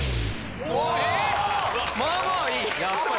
まあまあいい！